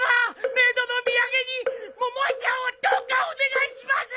冥土の土産に百恵ちゃんをどうかお願いします！